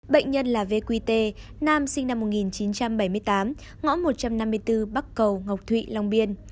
bệnh nhân là vê quy tê nam sinh năm một nghìn chín trăm bảy mươi tám ngõ một trăm năm mươi bốn bắc cầu ngọc thụy long biên